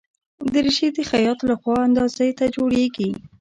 دریشي د خیاط له خوا اندازې ته جوړیږي.